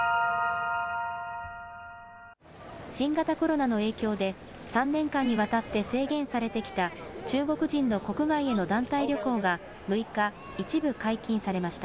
新型コロナの影響で、３年間にわたって制限されてきた中国人の国外への団体旅行が６日、一部解禁されました。